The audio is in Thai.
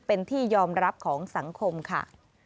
เป็นที่ยอมรับของสังคมค่ะ